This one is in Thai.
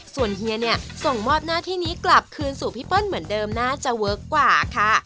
ส่วนเฮียเนี่ยส่งมอบหน้าที่นี้กลับคืนสู่พี่เปิ้ลเหมือนเดิมน่าจะเวิร์คกว่าค่ะ